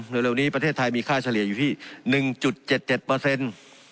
เร็วเร็วนี้ประเทศไทยมีค่าเฉลี่ยอยู่ที่หนึ่งจุดเจ็ดเจ็ดเปอร์เซ็นต์